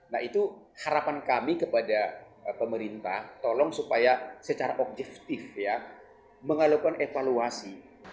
nah itu harapan kami kepada pemerintah tolong supaya secara objektif ya mengalukan evaluasi